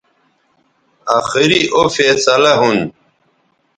آخری او فیصلہ ھون